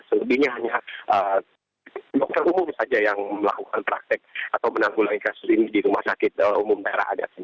selebihnya hanya dokter umum saja yang melakukan praktek atau menanggulangi kasus ini di rumah sakit umum daerah adat